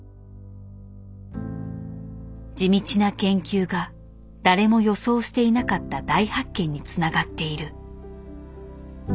地道な研究が誰も予想していなかった大発見につながっている。